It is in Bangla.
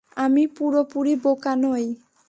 আমি পুরোপুরি বোকা নই।